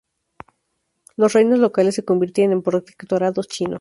Los reinos locales se convierten en protectorados chinos.